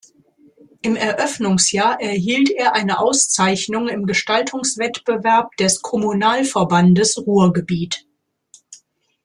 Im Eröffnungsjahr erhielt er eine Auszeichnung im Gestaltungswettbewerb des Kommunalverbandes Ruhrgebiet.